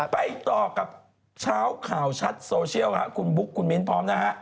ไปต่อกับเช้าข่าวชัดโซเชียลคุณบุ๊คคุณมิ้นพร้อมนะฮะ